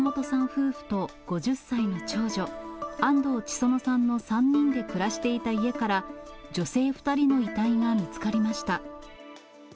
夫婦と５０歳の長女、安藤千園さんの３人で暮らしていた家から、女性２人の遺体が見つかりました。